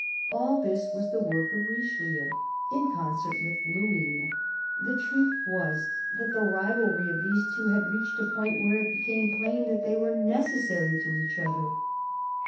All this was the work of Richelieu, in concert with Luynes. The truth was, that the rivalry of these two had reached a point where it became plain that they were necessary to each other.